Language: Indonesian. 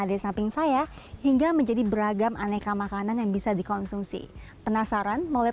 ada samping saya hingga menjadi beragam aneka makanan yang bisa dikonsumsi penasaran mulai